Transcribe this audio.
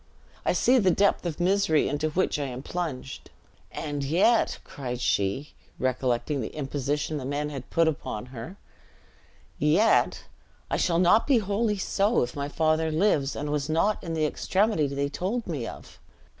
I see the depth of the misery into which I am plunged. And yet," cried she, recollecting the imposition the men had put upon her: "yet, I shall not be wholly so, if my father lives, and was not in the extremity they told me of!"